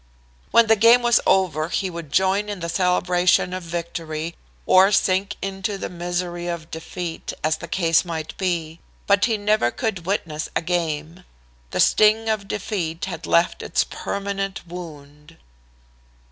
"When the game was over he would join in the celebration of victory, or sink into the misery of defeat, as the case might be. But he never could witness a game. The sting of defeat had left its permanent wound."